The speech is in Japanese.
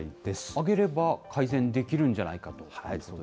上げれば改善できるんじゃないかと。